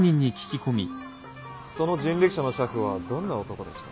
その人力車の車夫はどんな男でした？